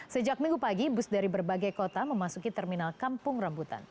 sejak minggu pagi bus dari berbagai kota memasuki terminal kampung rambutan